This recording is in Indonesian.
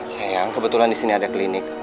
sayang kebetulan disini ada klinik